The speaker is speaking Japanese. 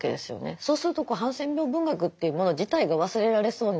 そうするとハンセン病文学というもの自体が忘れられそうになっている。